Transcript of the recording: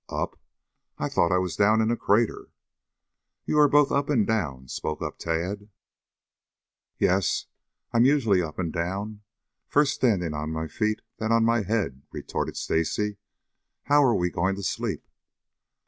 "Up? I thought I was down in a crater." "You are both up and down," spoke up Tad. "Yes, I'm usually up and down, first standing on my feet then on my head," retorted Stacy. "How are we going to sleep?"